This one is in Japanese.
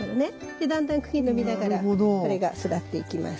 でだんだん茎伸びながらこれが育っていきます。